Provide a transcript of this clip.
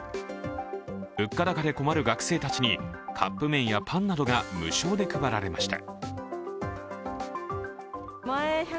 物価高で困る学生たちにカップ麺やパンなどが無償で配られました。